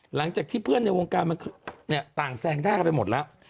หลังจากที่เพื่อนในวงการมันต่างแซงหน้ากันไปหมดแล้ว